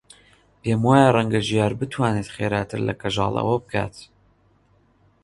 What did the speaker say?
پێم وایە ڕەنگە ژیار بتوانێت خێراتر لە کەژاڵ ئەوە بکات.